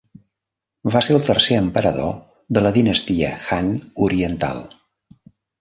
Va ser el tercer emperador de la Dinastia Han Oriental.